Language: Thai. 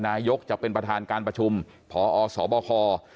นายกอธิบายจะเป็นประธานการประชุมพอสอน์บ่อคอ